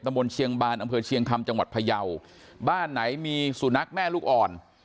บนเชียงบานอำเภอเชียงคำจังหวัดพยาวบ้านไหนมีสุนัขแม่ลูกอ่อน